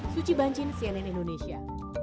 suci banjin cnn indonesia